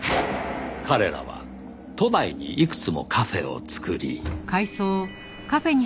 彼らは都内にいくつもカフェを作り。